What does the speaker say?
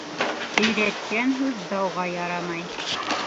Өйрәткән һүҙ дауға ярамай.